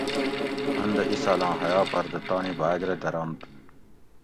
اۤن دہ اِسالاں حیا پردہ تانی بھاگ رہ درنت